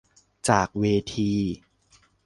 จากเวที